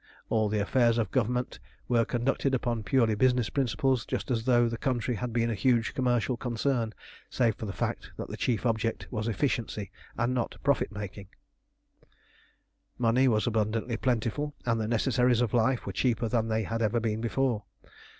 All the affairs of government were conducted upon purely business principles, just as though the country had been a huge commercial concern, save for the fact that the chief object was efficiency and not profit making. Money was abundantly plentiful, and the necessaries of life were cheaper than they had ever been before.